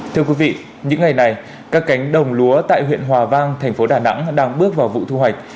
thưa quý vị những ngày này các cánh đồng lúa tại huyện hòa vang thành phố đà nẵng đang bước vào vụ thu hoạch